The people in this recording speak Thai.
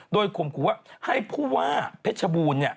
โดยควรขอว่าให้ผู้ว่าเพชรบูรณ์เนี่ย